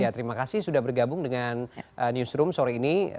terima kasih sudah bergabung dengan newsroom sore ini